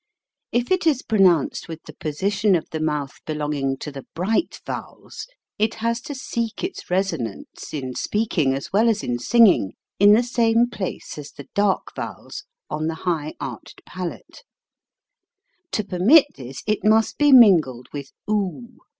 If it is pronounced with the position of the mouth belonging to the bright vowels, it has to seek its resonance, in speaking as well as in singing, in the same place as the dark vowels, on the high arched palate. To permit this, it must be mingled with 06.